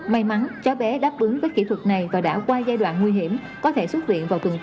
may mắn cháu bé đáp ứng với kỹ thuật này và đã qua giai đoạn nguy hiểm có thể xuất viện vào tuần tới